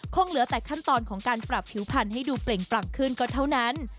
เหลือแต่ขั้นตอนของการปรับผิวพันธุ์ให้ดูเปล่งปลั่งขึ้นก็เท่านั้น